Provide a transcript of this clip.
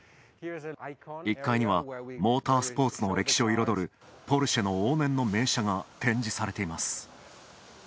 １階にはモータースポーツの歴史を彩る、ポルシェの往年の名車が展示されています。